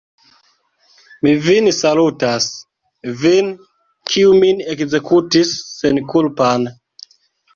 Mi vin salutas, vin, kiu min ekzekutis senkulpan!